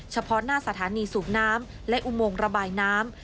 เฉพาะหน้าสถานีสูบน้ำและอุโมงระบายน้ำ